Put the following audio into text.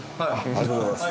ありがとうございます。